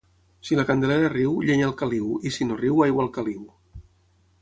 Si la Candelera riu, llenya al caliu, i si no riu aigua al caliu.